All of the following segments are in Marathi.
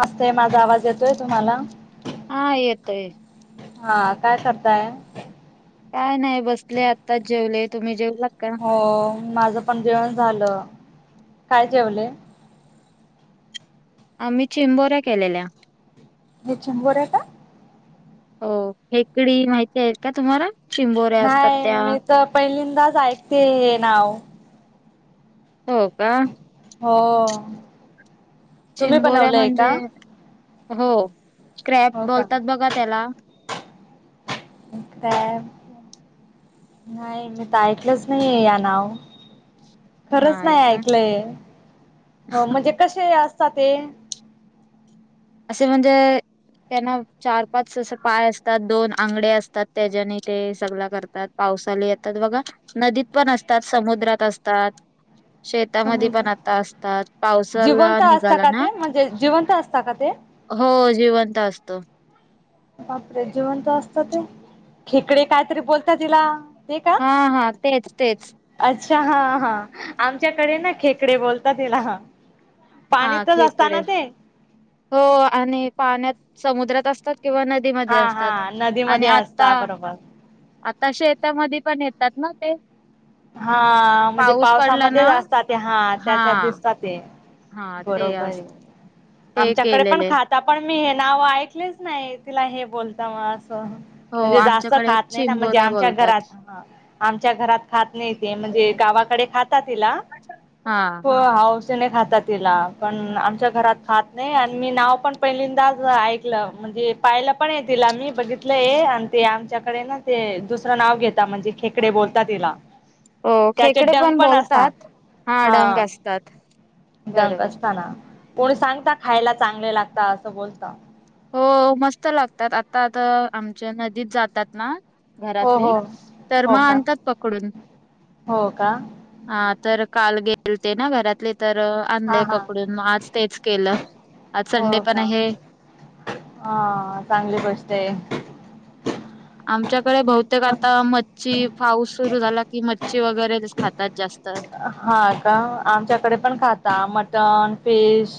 असस्तय माझा आवाज येतोय तुम्हाला हा येतय. हा काय करताय. काय नाही बसले आत्ताच जेवले तुम्ही जेवला का? हो माझं पण जेवण झालं काय जेवले? आम्ही चेंबोऱ्या केलेल्या हे चंबोर आहे का [inaudible] हो खेकडी माहिती आहे का? तुम्हाला चिंबोऱ्या असतात नाही त्या मी तर पहिल्यांदाच ऐकते हे नाव हो का, हो तुम्ही चिंबोऱ्या बनवलंय का? म्हणजे हो स््रॅप हो का बोलतात बघा त्याला इकय [inaudible] नाही मी तर ऐकलंच नाही या नाव खरंच नाही ऐकलंय हो म्हणजे कसे असतात ते असे म्हणजे त्यांना चार पाच अस पाय असतात दोन आंगडे असतात त्याच्याने ते सगळ करतात. पावसाला येतात बघा नदीत पण असतात समुद्रात असतात. शेतामध्ये समज पण आता असतात पावसाला जिवंत असता निघाला का ना. ते म्हणजे जिवंत असतात का ते हो जिवंत असतो. आपपडे जीवंत असत ते खेकडे कायतरी बोलत तिला ते का? हा हा तेच तेच अच्छा हा हा आमच्याकडे ना खेकडे बोलतात तिला हा पाणीतच खेकडे असताना ते हो आणि पाण्यात समुद्रात असतात किंवा न. म हा असतात हा आणि नदीमध्ये आता असता बरोबर. आता शेतामध्ये पण येतात ना ते हा म्हणजे पाऊस पडला ना पावसामध्येच असतात ते हा त्याच्यात दिसतात ते हा ते बरोबर आहे असत ते आमच्याकडे पण केलेले खात. पण मी हे नाव ऐकलेच नाही तिला हे बोलता म असं. हो म्हणजे जास्त आमच्याकडे खात नाही ना म्हणजे चिंबोऱ्या आमच्या बोलतात. घरात आमच्या घरात खात नाही. म्हणजे गावाकडे खात तिला हा हो. खात तिला पण आमच्या घरात खात नाही आणि मी नाव पण पहिलींदाच ऐकलं म्हणजे पाहिला पण ये तला आम्ही बघितलंय आणि ते आमच्याकडे ना ते दुसरं नाव घेता म्हणजे खे. तिकडे बोलता तिला हो त्याचे खेकडे डंग पण असता बोलतात हा डंग असतात. दंक बरोबर. असताना कोणी सांगता खायला चांगले लागता असं बोलता. हो मस्त लागतात आता आता आमच्या नदीत जातात ना. हो घरातली हो तर हो मग का आणतात पकडून हो का हा तर काल गेलते ना घरातले तर हा आणले हा पकडून मग आज तेच केलं आज संडे हो पण का आहे. हा चांगली गोष्ट आहे. आमच्याकडे बहुतेक मग आता म च ची पाऊस सुरू झाला की मच्छी वगैरे ते खातात जास्त हा का आमच्याकडे पण खाता मटन फिश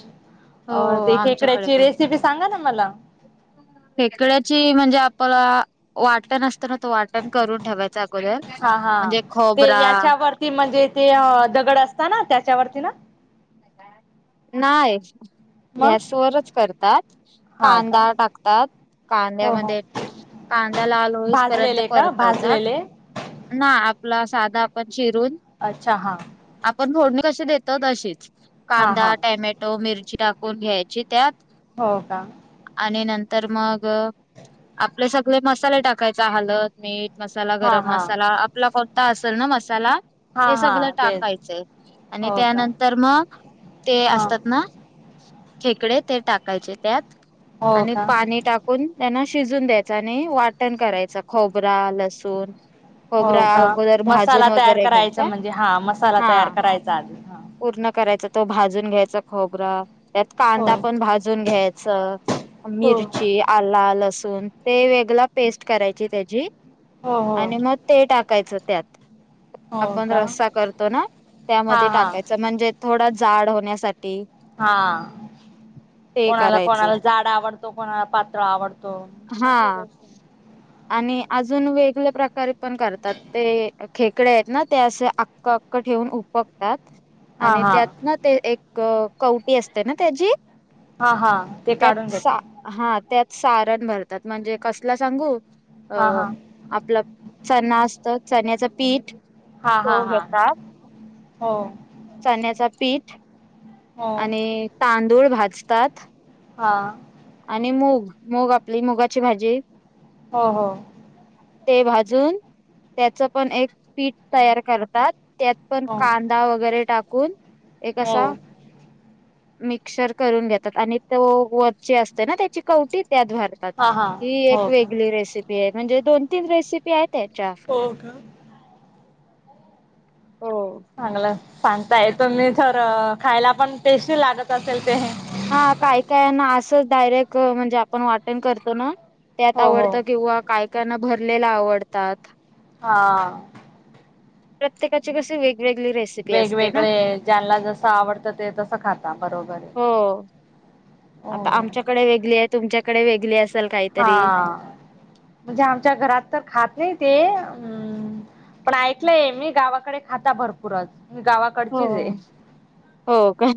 अ हो ते आमच्याकडे खेकड्याची पण रेसिपी सांगा ना मला फेकड्याची म्हणजे आपल्याला वाटत नसते. तर ना तो वाटण करून ठेवायचा अगोदर हा हा म्हणजे खोबरा ते याच्यावरती म्हणजे ते दगड असत ना त्याच्यावरती ना. नाही. मग गॅसवररच करतात हा का कांदा टाकतात हो हो कांद्यामध्ये कांदा लालोईस पर्यंत भाजलेले का परतवतात. भाजलेले ना आपला साधा आपण शिरून अच्छा हां. आपण फोडणी कशी देतो तशीच हा हा कांदा टॅमेट टव मिरची टाकून घ्यायची त्यात हो का? आणि नंतर मग आपले सगळे मसाले टाकायचे हलत मीठ मसाला हा गरम हा मसाला आपला कोणता असेल ना मसाला हा ते हा सगळ तेच टाकायचंय आणि हो का त्यानंतर मग ते हा असतात. खेक टाकायचे त्यात हो आणि का पाणी टा ून त्यांना शिजून द्यायच आणि वाटण करायच खोबरा लसूण हो खबरा का अगोदर मसाला भाजून तयार वगैरे करायचा घ्यायचा म्हणजे हा मसाला हा. तयार करायचा आधी हा पूर्ण करायच तो भाजून घ्यायचा खोबरं त्यात हो कांदा पण भाजून घ्यायचं हो मिरची आला लसूण ते वेगळा पेस्ट करायची त्याची हो हो आणि मग ते टाकायचं त्यात हो आपण का रस्सा करतो ना हा त्यामध्ये हा टाकायचा म्हणजे थोडा जाड होण्यासाठी हा ते कोणाला करायचं कोणाला झाड आवडतो कोणाला पात्र आवडतो हा चांगली गोष्ट आहे. आणि अजून वेगळ्या प्रकारे पण करतात ते खेकडे आहेत ना ते असे अक्का ठेवून उपकतात हा आणि हा त्यात ना ते एक कवटी असते ना त्याची हा हा ते काढून त्यात घेता हा त्यातार भर म्हणजे कस सांगू अ हा हा आपलं चना असत चण्याच पीठ हा हा तो हा घेतात हो चण्याचा पीठ हो आणि तांदूळ भाजतात हा आणि मूग मूग आपली मुगाची भाजी हो हो ते भाजून त्याचं पण एक पीठ तयार करतात त्यात पण हो कांदा वगैरे टाकून एक हो असा मिक्सर करून घेतात आणि तो वरचे असते ना त्याची कवटी त्याद्वारे हा हा ही हो एक का वेगळी रेसिपी आहे म्हणजे दोन तीन रेसिपी आहेत त्याच्या हो का हो चांगलं सांगताय तु्ी तर खायला पण टेस्टी लागत असेल ते हा काय काय ना असंच डायरेक्ट म्हणजे आपण वाटें करतो ना त्यात हो हो आवडतं किंवा काय काना भरलेला आवडतात हा प्रत्येकाची कशी वेगवेगळी रेस्ट वेगवेगळे ज्यांना जस आवडतं ते तसं खाता बरोबर आहे हो अ आता आमच्याकडे वेगळी आहे तुमच्याकडे वेगळी अस हा म्हणजे आमच्या घरात तर खात नाही ते अम् पण ऐकलंय मी गावाकडे खाता भरपूरच म गावाक हो हो का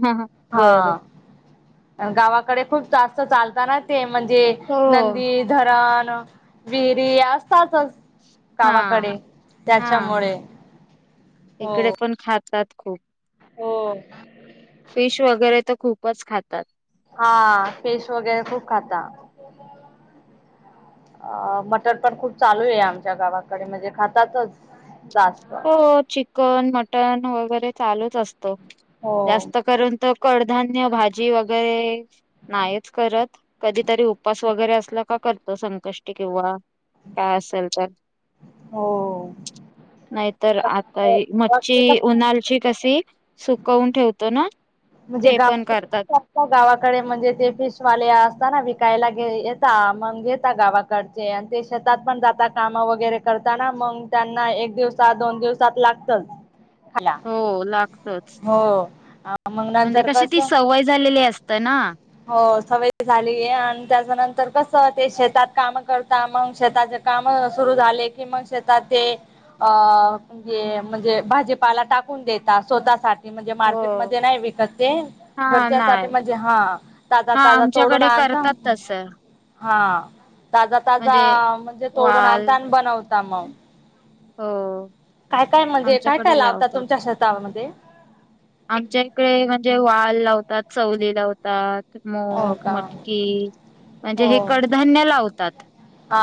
हा बरं आणि गावाकडे खूप जास्त चालताना ते म्हणजे हो नंदी धरण विहिरी असतातच गवाकडे हा हा त्याच्यामुळे हो साात खूप हो फिश वगैरे तर खूपच खातात हा फेश वगैरे खूप खाता अ मटर पण खूप चालू आहे आमच्या गावाकडे म्हणजे खातातच जास्त हो चिकन मटन वगैरे चालूच असतो हो जास्त करून तर कडधान्य भाजी वगैरे नाहीच करत कधीतरी उपास वगैरे असल का करतो संकष्टी किंवा का असल तर हो नाहीतर आता मच्छी गावाकडे कसं उन्हाळची कशी सुकवून ठेवतो ना म्हणजे ते पण गावात करतात त्या गावाकडे म्हणजे ते फिशवाले असताना विकायला गे येत म्हणजे त्या गावाक ते शेतात पण जातात काम वगैरे करताना मग त्यांना एक दिवस दोन दिवस लागतच खाला हो लागतच हो मग म्हणजे नंतर कशी ती कसं सवय झालेली असतं ना हो सव झाली आणि त्याच्या नंतर कस ते शेतात काम करता मग शेताच्या काम सुरू झाले कि मग शेतात ते अ म्हणजे म्हणजे भाजीपाला टाकून देता स्वतः ते म्हणजे हो मार्केट मध्ये नाही विकत ते हा घरच्या सा नाही म्हणजे हा ताजा ताजा तोडून आणता अस हा ताजा ताजा म्हणजे तोडून आण वाल तान बनवता मग हो काय काय म्हणजे काय काय लावतात तुमच्या शेतामध्ये आमच्या इकडे म्हणजे वाल लावतात चवली लावतात हो मूग का मटकी म्हणजे हे हो कडधान्य लावतात हा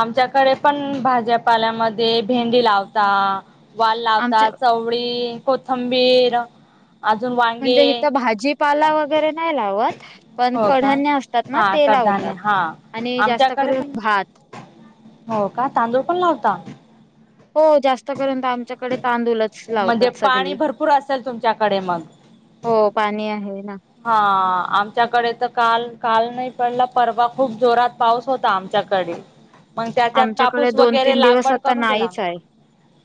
आमच्याकडे पण भाज्यापाल्यामध्ये भेंडी लावता वाल आमच्या लावतात चवळी कोथंबीर अजून म्हणजे वांगे हिथं भाजीपाला वगैरे नाही लावत पण हो का कधान्य असतात ना हा ते कडधान्य लावतात हा आणि जास्त आमच्याकडे करून पण भात हो का तांदूळ पण लावता हो जास्त करर्यंत आमच्याकडे तांदूलच म्हणजे पाणी भरपूर असेल तुमच्याकडे मग हो पाणी आहे ना. हा आमच्याकडे तर काल काल नाही पडला परवा खूप जोरात पाऊस होता आमच्याकडे [inaudible] मग त्याच्यात आमच्याकडे कापूस दोन वगैरे तीन दिवस लागवड आता करून दिला नाहीच आहे.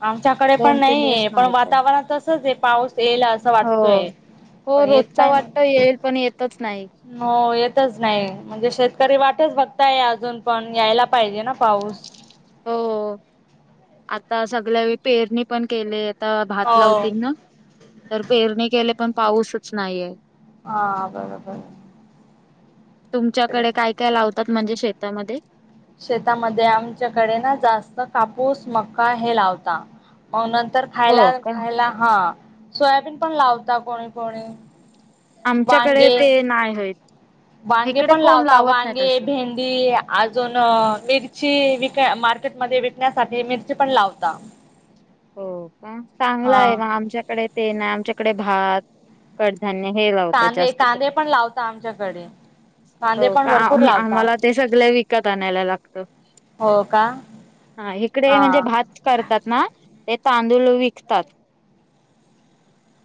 आमच्याकडे पण दोन तीन दिवस नाही पण नाहीच आहे. वातावरण तसच आहे पाऊस येल असं हो वाटतोय. हो पण येत रोजचा काय नाही. वाटत येईल पण येतच नाही. हो येतच नाही म्हणजे शेतकरी वाटच बघताय अजून पण यायला पाहिजे ना पाऊस हो आता सगळ्या वळी पेरणी पण केलेत. आता भात हो. लावतील ना तर पेरणी केले पण पाऊसच नाहीये. हा बरोबर तुमच्याकडे काय काय लावतात म्हणजे शेतामध्ये? शेतामध्ये आमच्याकडे ना जास्त कापूस, मका हे लावता. नंतर हो खायला का खायला हा सोयाबीन पण लावता कोणी कोणी आमच्याकडे वांगे ते नाही होइत. वांगे पण लावता वांगे भे डी अजून मिरची विकाय मार्केटमध्ये विकण्यासाठी मिरची पण लावता [inaudible] हो का चांगला हा आहे म आमच्याकडे ते नाय आमच्याकडे भात कडधान्य हे लावतात कांदे जास्त कर कांदे पण लावता आमच्याकडे कांदे हो पण का आ भरपूर लावता. आम्हाला ते सगळे विकत आणायला लागत हो का हा इकडे हा म्हणजे भात करतात ना ते तांदूळ विकतात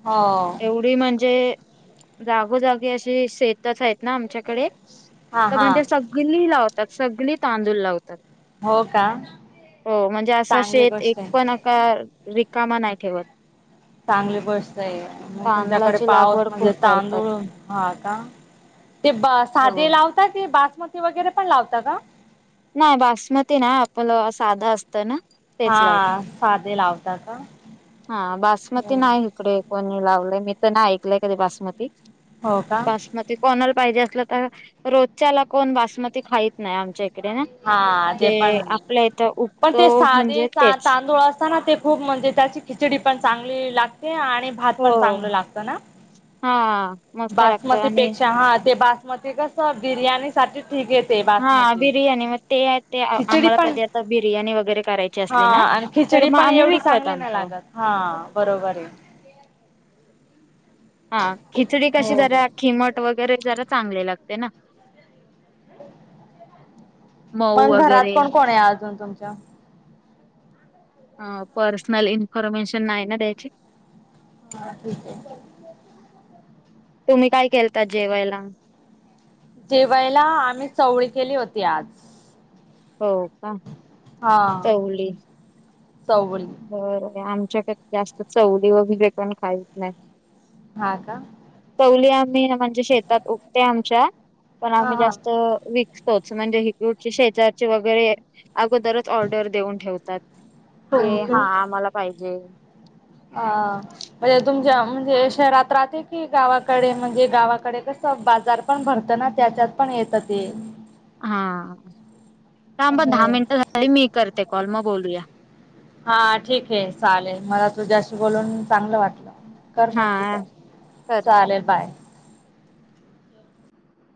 हो. एवढी म्हणजे जागोजागी अशी शेतच आहेत ना आमच्याकडे हा तर हा म्हणजे सग सगली लावतात सगळी तांदूळ लावतात हो का हो म्हणजे असं चांगली शेत एक गोष्ट आहे पण तर रिकामा नाही ठेवत. चांगली गोष्ट आहे मग तुमच्याकडे तांदळाची पाऊस लागवड म्हणजे खूप करतात तांदूळ हा का ते ब हो साधे लावता की बासमती वगैरे पण लावता का? नाही बासमती नाय आपलं साधं असतं ना तेच लावते हा साधे लावता का हा बासमती नाही इकडे. कोणी लावलंय मी तर ना ऐकलय कधी बासमती हो का बासमती ते कोणाला पाहिजे असलं तर रोजच्याला कोण बासमती खाईत नाही आमच्या इकडे ना हा ते पण जे आपल्या इथं पण उगतो ते साधे म्हणजे तेच तांदूळ अस असताना ते खूप म्हणजे त्याची खिचडी पण चांगली लागते आणि भात पण हो चांगलं लागत ना, हा मस्त लागत आणि बासमतीपेक्षा हा ते बासमती हो बिर्याणी साठी ठीक आहे ते बासमती. हा बिर्याणी मग ते ते खिचडी आम्हाला पण कधी आता बिर्याणी वगैरे करायची हा असली ना! आणि तर खिचडी मग पण आम्ही एवढी विकत चांगली नाही आणतो लागत. हा बरोबर आहे. हा खिचडी कशी हो जरा खिमट वगैरे जरा चांगली लागते ना मऊ पण वगैरे घरात कोण कोण आहे अजून तुमच्या? अ पर्सनल इन्फॉर्मेशन नाही ना द्यायची. हा ठीक आहे. तुम्ही काय केलता जेवायला? जेवातला आम्ही चवळी केली होती आज. हो. का हा चवली चवळी. बर आहे आमच्याकडे जास्त चवली वगैरे पण खाहीत नाहीत. हा का? चवली आम्ही म्हणजे शेतात उगते आमच्या पण हा आम्ही हा जास्त विक पोच म्हणजे [unintelligible] शेजारचे वगैरे अगोदरच ऑर्डर देऊन ठेवतात. ते हो हा आम्हाला पाहिजे. अ म्हणजे तुमच्या म्हणजे शहरात राहते की गावाकडे म्हणजे गावाकडे कस बाजार पण भरतना त्याच्यात पण येतं ते. हा थांब दहा हो मिनिटं झाली मी करते कॉल मग बोलूया. हा ठीक आहे चालेल मला तुझ्याशी बोलून चांगलं वाटलं. कर मग तू हा का कर चालेल बाय.